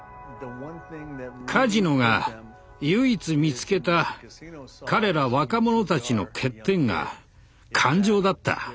カジノが唯一見つけた彼ら若者たちの欠点が感情だった。